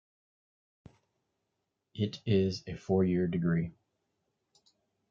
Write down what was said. It is a four-year degree.